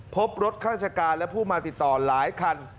พบรถราชการและผู้มาติดต่อหลายคัน